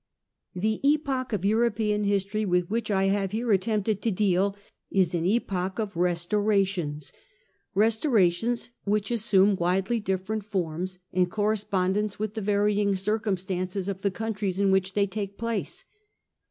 The epoch of E uropean h istory with which I have here attempted to deal is an epoch of Restorations ; Restorations which assume widely differing forms, in correspondence with the varying circumstances of the countries in which they take place.